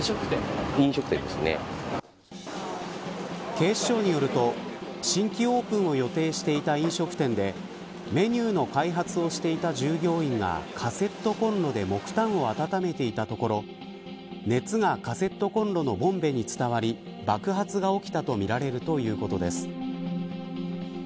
警視庁によると新規オープンを予定していた飲食店でメニューの開発をしていた従業員がカセットコンロで木炭を温めていたところ熱がカセットコンロのボンベに伝わり爆発が起きたとみられるということです。